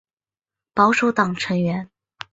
保守党成员。